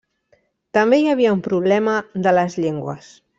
També hi havia un problema de les llengües.